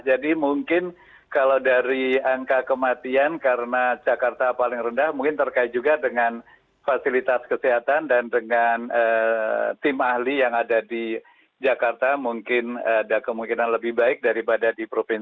mungkin kalau dari angka kematian karena jakarta paling rendah mungkin terkait juga dengan fasilitas kesehatan dan dengan tim ahli yang ada di jakarta mungkin ada kemungkinan lebih baik daripada di provinsi